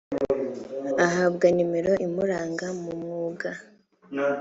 ahabwa nomero imuranga mu mwuga